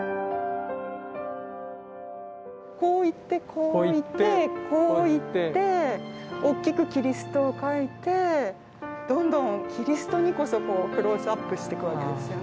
こういってこういってこういっておっきくキリストを描いてどんどんキリストにこそこうクローズアップしてくわけですよね。